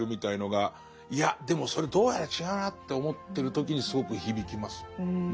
いやでもそれどうやら違うなって思ってる時にすごく響きます。